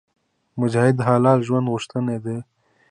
مجاهد د حلال ژوند غوښتونکی وي.